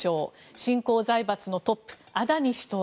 新興財閥トップ、アダニ氏とは？